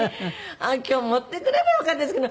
今日持ってくればよかったんですけど。